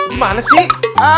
di mana sih